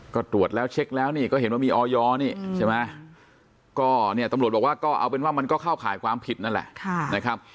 ก็ตรวจแล้วเช็คแล้วนี่ก็เห็นว่ามีออยนี่ใช่ไหมก็เนี่ยตำรวจบอกว่าก็เอาเป็นว่ามันก็เข้าข่ายความผิดนั่นแหละนะครับ